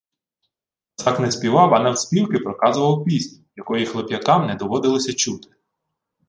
Косак не співав, а навспівки проказував пісню, якої хлоп'якам не доводилося чути.